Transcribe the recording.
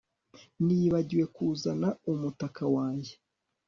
Nibagiwe kuzana umutaka wanjye